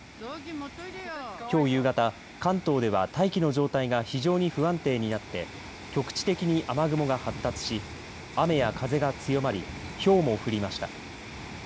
きょう夕方関東では大気の状態が非常に不安定になって局地的に雨雲が発達し雨や風が強まりひょうも降りました。